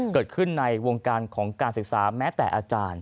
เกิดขึ้นในวงการของการศึกษาแม้แต่อาจารย์